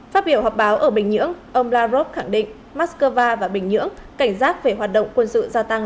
phát biểu họp báo ở bình nhưỡng ông lavrov khẳng định mắc cơ va và bình nhưỡng cảnh giác về hoạt động quân sự gia tăng